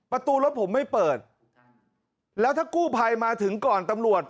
ประตูรถผมไม่เปิดแล้วถ้ากู้ภัยมาถึงก่อนตำรวจ